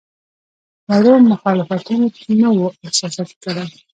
وړو مخالفتونو نه وو احساساتي کړی.